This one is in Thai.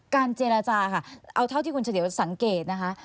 เจรจาค่ะเอาเท่าที่คุณเฉลียวสังเกตนะคะ